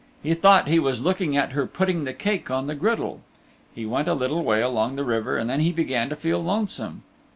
He thought he was looking at her putting the cake on the griddle. He went a little way along the river and then he began to feel lonesome.